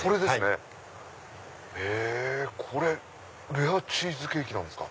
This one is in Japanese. レアチーズケーキなんですか？